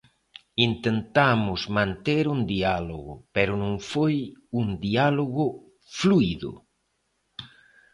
Intentamos manter un diálogo, pero non foi un diálogo fluído.